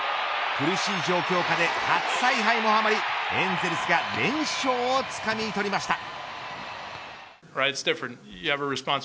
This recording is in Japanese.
苦しい状況下で初采配もはまりエンゼルスが連勝をつかみとりました。